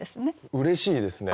うれしいですね。